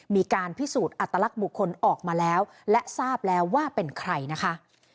มีการพิสูจน์อัตลักษณ์บุคคลออกมาแล้วและทราบแล้วว่าเป็นใครนะคะ